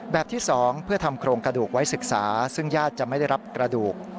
ที่๒เพื่อทำโครงกระดูกไว้ศึกษาซึ่งญาติจะไม่ได้รับกระดูก